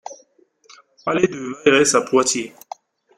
Allée de Vayres à Poitiers